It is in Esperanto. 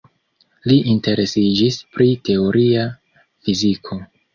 Li interesiĝis pri teoria fiziko.